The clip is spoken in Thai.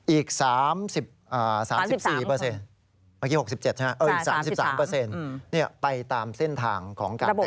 อีก๓๔อีก๓๓ไปตามเส้นทางของการแต่งตาม